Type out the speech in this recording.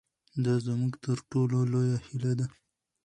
دا زموږ تر ټولو لویه هیله ده.